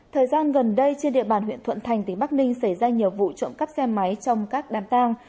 thời gian gần đây trên địa bàn huyện thuận thành tỉnh bắc ninh xảy ra nhiều vụ trộm cắp xe máy trong các đám tang